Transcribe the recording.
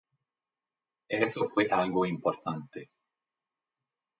Eso fue algo importante".